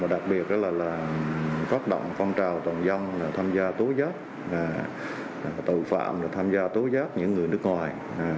đặc biệt là phát động phong trào toàn dân tham gia tố giác tội phạm tham gia tố giác những người nước ngoài